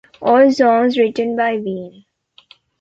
All songs written by Ween.